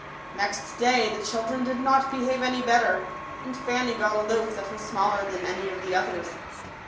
Next day the children did not behave any better ; and Fanny got a loaf that was smaller than any of the others.